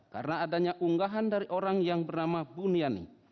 karena adanya unggahan dari orang yang bernama buniani